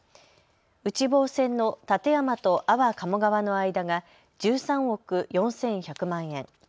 内房線の館山と安房鴨川の間が１３億４１００万円。